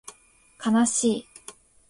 かなしい